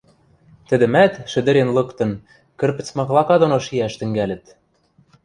тӹдӹмӓт, шӹдӹрен лыктын, кӹрпӹц маклака доно шиӓш тӹнгӓлӹт.